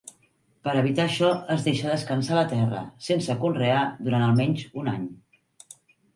Per a evitar això es deixa descansar la terra, sense conrear, durant almenys un any.